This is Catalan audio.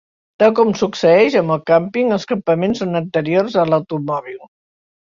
Tal com succeeix amb el càmping, els campaments són anteriors a l'automòbil.